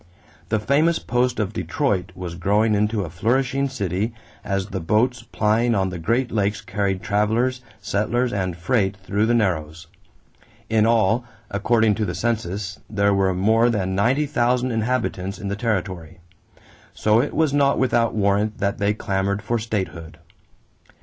The famous post of Detroit was growing into a flourishing city as the boats plying on the Great Lakes carried travelers, settlers, and freight through the narrows. In all, according to the census, there were more than ninety thousand inhabitants in the territory; so it was not without warrant that they clamored for statehood.